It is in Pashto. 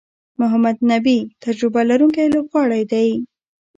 محمد نبي تجربه لرونکی لوبغاړی دئ.